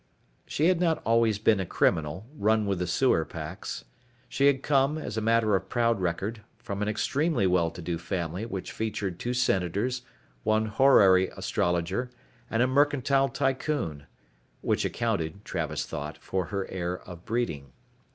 She had not always been a criminal, run with the sewer packs. She had come, as a matter of proud record, from an extremely well to do family which featured two Senators, one Horary Astrologer, and a mercantile tycoon which accounted, Travis thought, for her air of breeding.